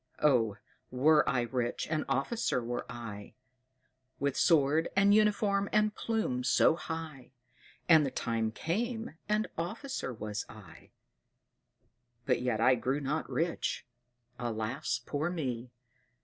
Oh, were I rich! an officer were I, With sword, and uniform, and plume so high. And the time came, and officer was I! But yet I grew not rich. Alas, poor me!